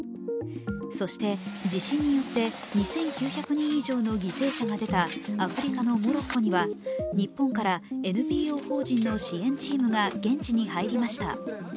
そして、地震によって２９００人以上の犠牲者が出たアフリカのモロッコには日本からＮＰＯ法人の支援チームが現地に入りました。